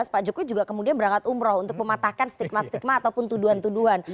pak jokowi juga kemudian berangkat umroh untuk mematahkan stigma stigma ataupun tuduhan tuduhan